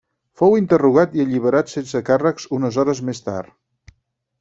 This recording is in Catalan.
Fou interrogat i alliberat sense càrrecs unes hores més tard.